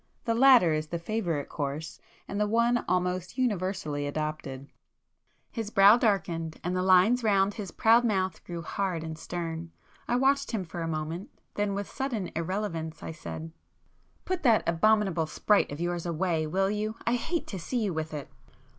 The latter is the favourite course, and the one almost universally adopted." [p 210]His brow darkened, and the lines round his proud mouth grew hard and stern. I watched him for a moment,—then with sudden irrelevance I said— "Put that abominable 'sprite' of yours away, will you? I hate to see you with it!"